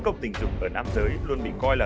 cộng tình dục ở nam giới luôn bị coi là